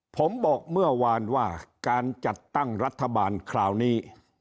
ผมบอกเมื่อวานว่าการจัดตั้งรัฐบาลคราวนี้